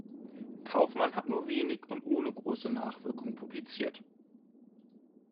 Kaufmann hat nur wenig und ohne große Nachwirkung publiziert.